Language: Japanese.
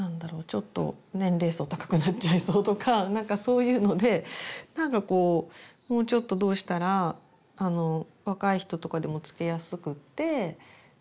ちょっと年齢層高くなっちゃいそうとかなんかそういうのでなんかこうもうちょっとどうしたら若い人とかでもつけやすくって。